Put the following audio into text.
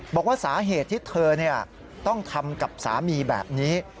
บอกว่าสาเหตุที่เธอต้องทำกับสามีแบบนี้